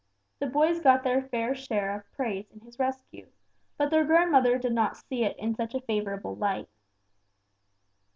The boys got their fair share of praise in his rescue, but their grandmother did not see it in such a favorable light.